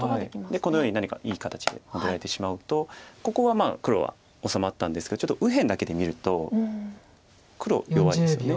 このように何かいい形で出られてしまうとここは黒は治まったんですけどちょっと右辺だけで見ると黒弱いですよね。